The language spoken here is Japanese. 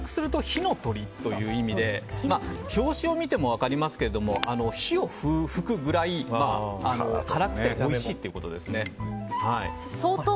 火の鳥という意味で表紙を見ても分かりますけど火を噴くぐらい辛くておいしいということですね。